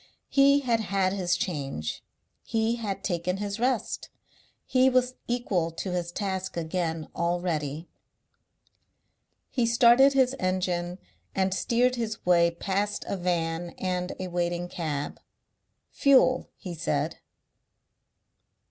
He had had his change; he had taken his rest; he was equal to his task again already. He started his engine and steered his way past a van and a waiting cab. "Fuel," he said.